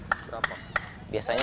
satu ekor berapa biasanya